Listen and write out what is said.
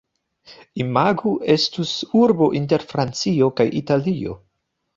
Imagu estus urbo inter Francio kaj Italio.